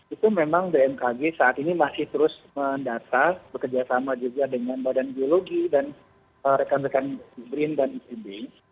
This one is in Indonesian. itu memang bmkg saat ini masih terus mendata bekerjasama juga dengan badan geologi dan rekan rekan brin dan itb